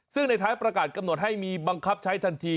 ซึ่งในท้ายประกาศกำหนดให้มีบังคับใช้ทันที